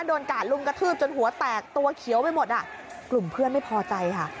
กาดลุมกระทืบจนหัวแตกตัวเขียวไปหมดอ่ะกลุ่มเพื่อนไม่พอใจค่ะ